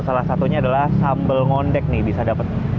salah satunya adalah sambal ngondek nih bisa dapat